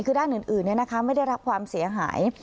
คือด้านอื่นไม่ได้รับความเสียหาย